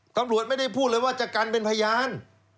ตำรวจไม่ได้พูดเลยว่าจะกันเป็นพยาน